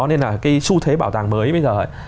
nên là cái xu thế bảo tàng mới bây giờ ấy